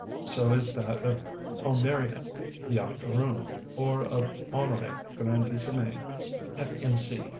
So is that of Palmyrea the Octoroon, or of Honoré Grandissime's "f. m. c."